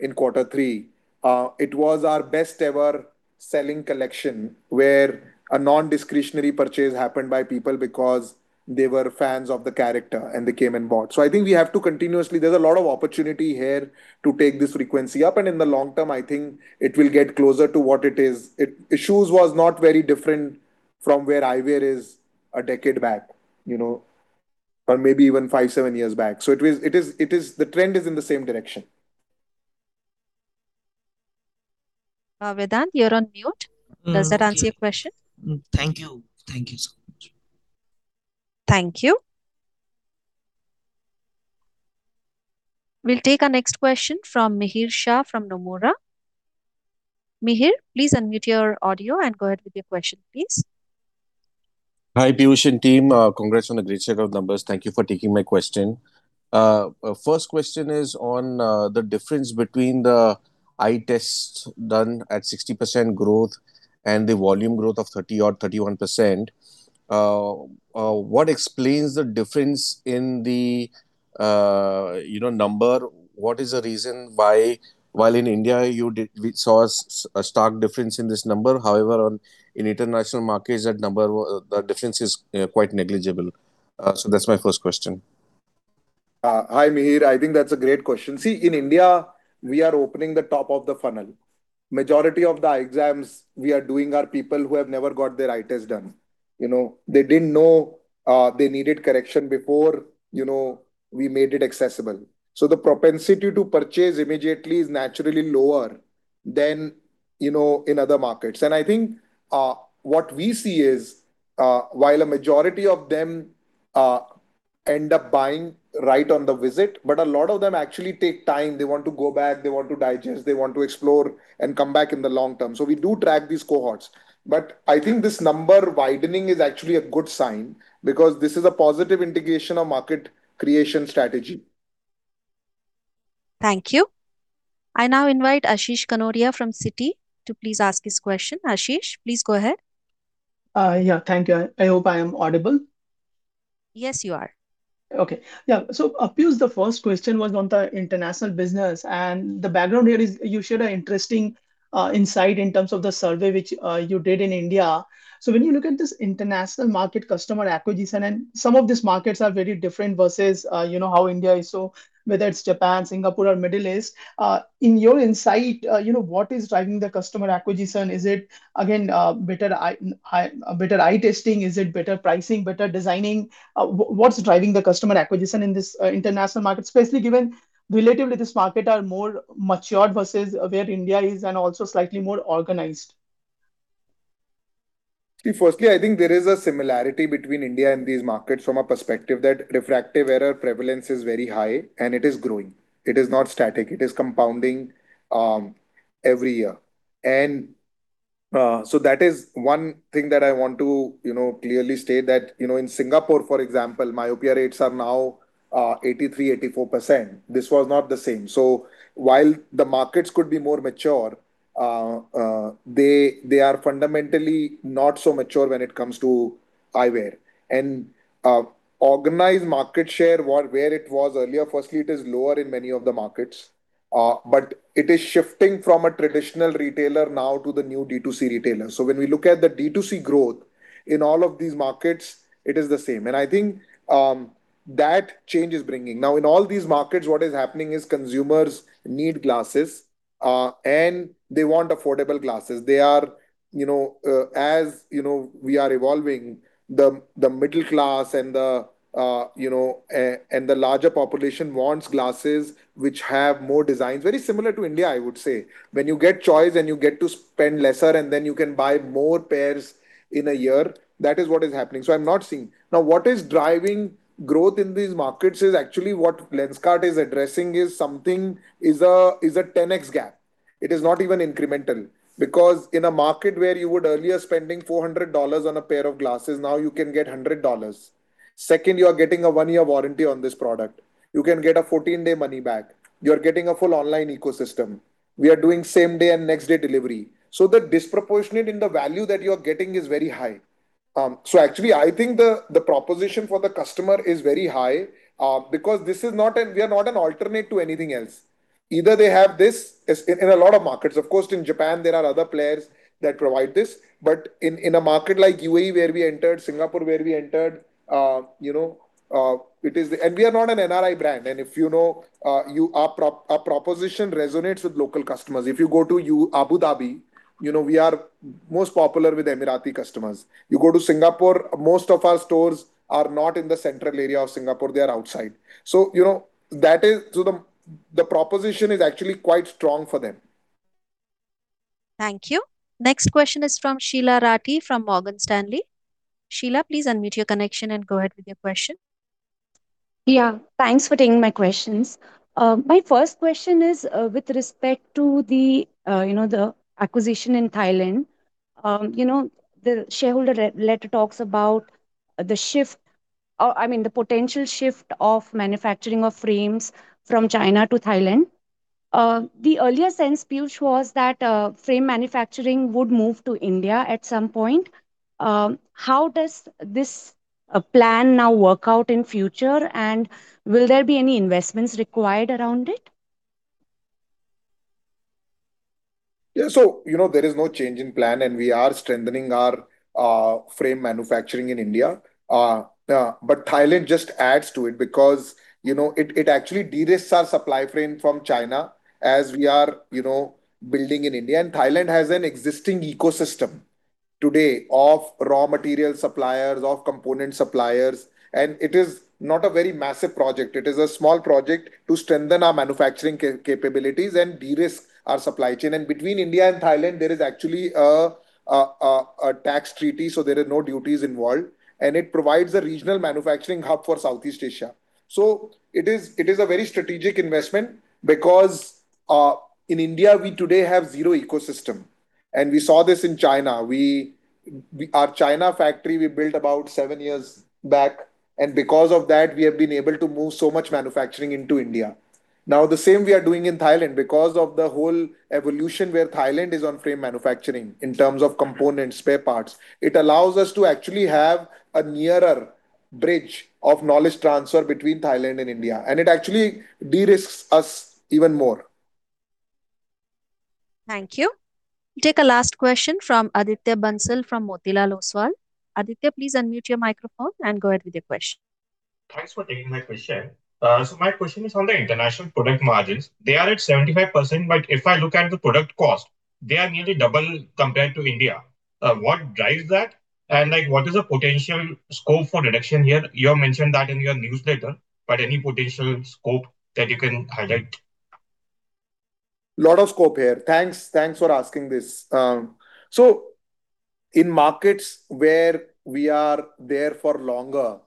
in quarter three. It was our best-ever selling collection where a non-discretionary purchase happened by people because they were fans of the character, and they came and bought. So I think we have to continuously there's a lot of opportunity here to take this frequency up. And in the long term, I think it will get closer to what it is. Shoes were not very different from where eyewear is a decade back or maybe even five, seven years back. So it is the trend is in the same direction. Vedant, you're on mute. Does that answer your question? Thank you. Thank you so much. Thank you. We'll take our next question from Mihir Shah from Nomura. Mihir, please unmute your audio and go ahead with your question, please. Hi Peyush and team. Congrats on a great set of numbers. Thank you for taking my question. First question is on the difference between the eye tests done at 60% growth and the volume growth of 30% or 31%. What explains the difference in the number? What is the reason why while in India, we saw a stark difference in this number? However, in international markets, that number, the difference is quite negligible. So that's my first question. Hi, Mihir. I think that's a great question. See, in India, we are opening the top of the funnel. Majority of the exams we are doing are people who have never got their eye tests done. They didn't know they needed correction before we made it accessible. So the propensity to purchase immediately is naturally lower than in other markets. And I think what we see is while a majority of them end up buying right on the visit, but a lot of them actually take time. They want to go back. They want to digest. They want to explore and come back in the long term. So we do track these cohorts. But I think this number widening is actually a good sign because this is a positive integration of market creation strategy. Thank you. I now invite Ashish Kanodia from Citi to please ask his question. Ashish, please go ahead. Yeah. Thank you. I hope I am audible. Yes, you are. Okay. Yeah. So Peyush, the first question was on the international business. And the background here is you shared an interesting insight in terms of the survey which you did in India. So when you look at this international market customer acquisition, and some of these markets are very different versus how India is, so whether it's Japan, Singapore, or Middle East, in your insight, what is driving the customer acquisition? Is it, again, better eye testing? Is it better pricing, better designing? What's driving the customer acquisition in this international market, especially given relatively this market are more matured versus where India is and also slightly more organized? See, firstly, I think there is a similarity between India and these markets from a perspective that refractive error prevalence is very high, and it is growing. It is not static. It is compounding every year. And so that is one thing that I want to clearly state that in Singapore, for example, myopia rates are now 83%-84%. This was not the same. So while the markets could be more mature, they are fundamentally not so mature when it comes to eyewear. And organized market share, where it was earlier, firstly, it is lower in many of the markets. But it is shifting from a traditional retailer now to the new D2C retailer. So when we look at the D2C growth in all of these markets, it is the same. And I think that change is bringing. Now, in all these markets, what is happening is consumers need glasses, and they want affordable glasses. As we are evolving, the middle class and the larger population want glasses which have more designs, very similar to India, I would say. When you get choice and you get to spend lesser, and then you can buy more pairs in a year, that is what is happening. So I'm not seeing now what is driving growth in these markets is actually what Lenskart is addressing is something is a 10X gap. It is not even incremental because in a market where you would earlier spend $400 on a pair of glasses, now you can get $100. Second, you are getting a one-year warranty on this product. You can get a 14-day money back. You are getting a full online ecosystem. We are doing same-day and next-day delivery. So the disproportionate in the value that you are getting is very high. So actually, I think the proposition for the customer is very high because this is not we are not an alternate to anything else. Either they have this in a lot of markets. Of course, in Japan, there are other players that provide this. But in a market like UAE where we entered, Singapore where we entered, it is the and we are not an NRI brand. And if you know, our proposition resonates with local customers. If you go to Abu Dhabi, we are most popular with Emirati customers. You go to Singapore, most of our stores are not in the central area of Singapore. They are outside. So that is so the proposition is actually quite strong for them. Thank you. Next question is from Sheela Rathi from Morgan Stanley. Sheila, please unmute your connection and go ahead with your question. Yeah. Thanks for taking my questions. My first question is with respect to the acquisition in Thailand. The shareholder letter talks about the shift or I mean, the potential shift of manufacturing of frames from China to Thailand. The earlier sense, Peyush, was that frame manufacturing would move to India at some point. How does this plan now work out in future? And will there be any investments required around it? Yeah. So there is no change in plan, and we are strengthening our frame manufacturing in India. But Thailand just adds to it because it actually de-risks our supply chain from China as we are building in India. And Thailand has an existing ecosystem today of raw material suppliers, of component suppliers. And it is not a very massive project. It is a small project to strengthen our manufacturing capabilities and de-risk our supply chain. And between India and Thailand, there is actually a tax treaty, so there are no duties involved. And it provides a regional manufacturing hub for Southeast Asia. So it is a very strategic investment because in India, we today have zero ecosystem. And we saw this in China. Our China factory, we built about 7 years back. And because of that, we have been able to move so much manufacturing into India. Now, the same we are doing in Thailand because of the whole evolution where Thailand is on frame manufacturing in terms of components, spare parts. It allows us to actually have a nearer bridge of knowledge transfer between Thailand and India. And it actually de-risks us even more. Thank you. Take a last question from Aditya Bansal from Motilal Oswal. Aditya, please unmute your microphone and go ahead with your question. Thanks for taking my question. My question is on the international product margins. They are at 75%. If I look at the product cost, they are nearly double compared to India. What drives that? What is the potential scope for reduction here? You mentioned that in your newsletter. Any potential scope that you can highlight? A lot of scope here. Thanks. Thanks for asking this. So in markets where we are there for longer,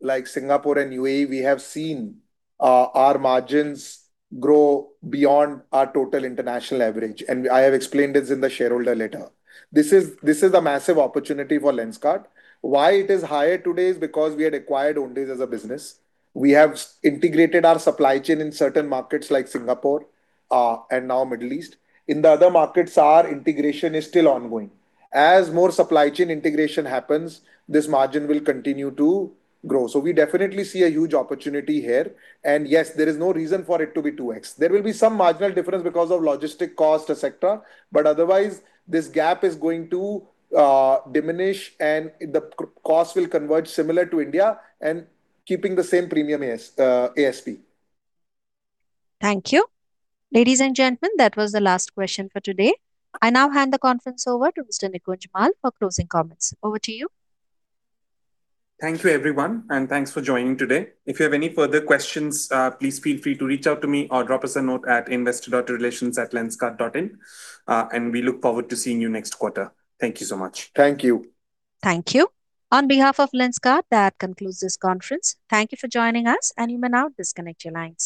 like Singapore and UAE, we have seen our margins grow beyond our total international average. I have explained this in the shareholder letter. This is a massive opportunity for Lenskart. Why it is higher today is because we had acquired OWNDAYS as a business. We have integrated our supply chain in certain markets like Singapore and now Middle East. In the other markets, our integration is still ongoing. As more supply chain integration happens, this margin will continue to grow. We definitely see a huge opportunity here. And yes, there is no reason for it to be 2X. There will be some marginal difference because of logistic cost, etc. But otherwise, this gap is going to diminish, and the cost will converge similar to India and keeping the same premium ASP. Thank you. Ladies and gentlemen, that was the last question for today. I now hand the conference over to Mr. Nikunj Mall for closing comments. Over to you. Thank you, everyone. Thanks for joining today. If you have any further questions, please feel free to reach out to me or drop us a note at investor.relations@lenskart.in. We look forward to seeing you next quarter. Thank you so much. Thank you. Thank you. On behalf of Lenskart, that concludes this conference. Thank you for joining us. You may now disconnect your lines.